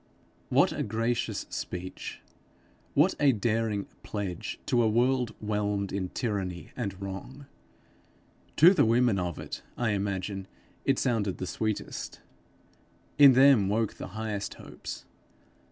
What a gracious speech, what a daring pledge to a world whelmed in tyranny and wrong! To the women of it, I imagine, it sounded the sweetest, in them woke the highest hopes.